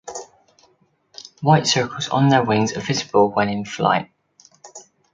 White circles on their wings are visible when in flight.